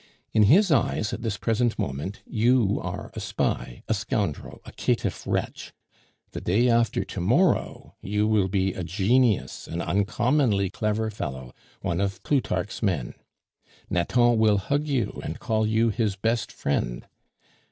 In his eyes at this present moment you are a spy, a scoundrel, a caitiff wretch; the day after to morrow you will be a genius, an uncommonly clever fellow, one of Plutarch's men. Nathan will hug you and call you his best friend.